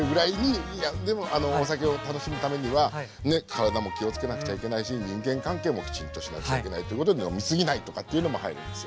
でもお酒を楽しむためにはね体も気を付けなくちゃいけないし人間関係もきちんとしなくちゃいけないっていうことで飲み過ぎないとかっていうのも入るんですよ。